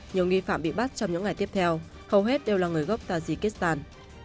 nhiều nghi phạm bị bắt trong những ngày tiếp theo hầu hết đều là người gốc tajikistan